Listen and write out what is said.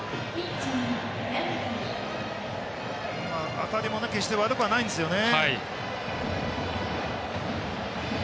当たりも決して悪くないんですよね。